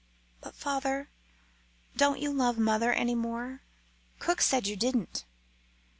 "But, father, don't you love mother any more? Cook said you didn't."